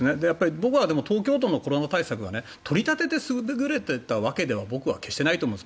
僕は東京都のコロナ対策が取り立てて優れてたわけではないと決してないと思います。